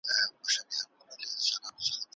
لارښود استاد د ژبني سمون مسوولیت نلري.